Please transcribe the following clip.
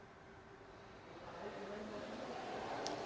berapa fraksi yang masih memiliki atau masih mendukung setia novanto